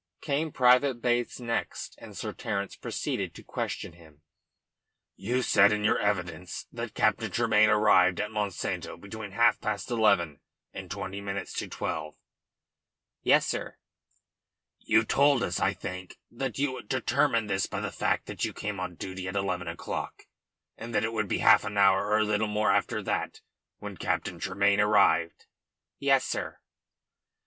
Came Private Bates next, and Sir Terence proceeded to question him.. "You said in your evidence that Captain Tremayne arrived at Monsanto between half past eleven and twenty minutes to twelve?" "Yes, sir." "You told us, I think, that you determined this by the fact that you came on duty at eleven o'clock, and that it would be half an hour or a little more after that when Captain Tremayne arrived?" "Yes, sir."